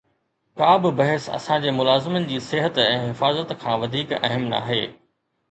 ڪابه بحث اسان جي ملازمن جي صحت ۽ حفاظت کان وڌيڪ اهم ناهي